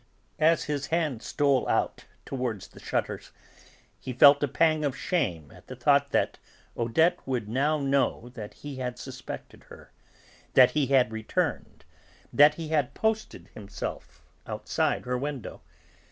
As his hand stole out towards the shutters he felt a pang of shame at the thought that Odette would now know that he had suspected her, that he had returned, that he had posted himself outside her window.